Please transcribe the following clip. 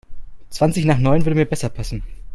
Zwanzig nach neun würde mir besser passen.